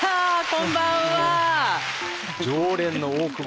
こんばんは。